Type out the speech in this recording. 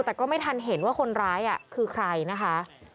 แต่ก็ไม่ทันเห็นว่าคนร้ายคือใครนะคะ